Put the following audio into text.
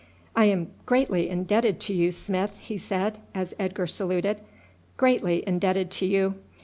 "I am greatly indebted to you, Smith," he said, as Edgar saluted, "greatly indebted to you.